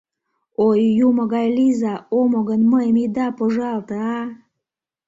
Ой, юмо гай лийза, омо гын, мыйым ида пожалте, а?